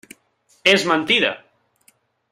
És mentida.